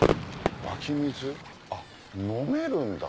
湧き水？あっ飲めるんだ。